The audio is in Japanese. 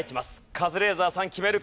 カズレーザーさん決めるか？